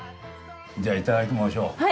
じゃあいただきましょう。